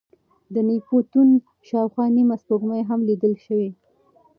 د نیپتون شاوخوا نیمه سپوږمۍ هم لیدل شوې.